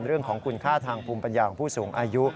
เรื่องของคุณค่าทางภูมิปัญญาของผู้สูงอายุ